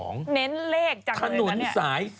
เน้นเลขจังเลยกันเนี่ยถนนสาย๓๐๔เนี่ย